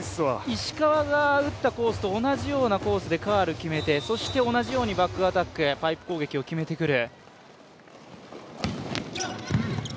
石川が打ったコースと同じようなコースでカールが決めてそして同じようにバックアタックパイプ攻撃を決めてくる。